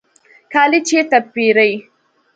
کالی چیرته پیرئ؟